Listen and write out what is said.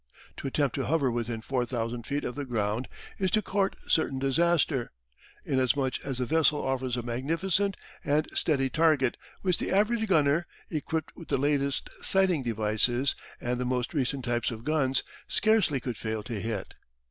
To attempt to hover within 4,000 feet of the ground is to court certain disaster, inasmuch as the vessel offers a magnificent and steady target which the average gunner, equipped with the latest sighting devices and the most recent types of guns, scarcely could fail to hit.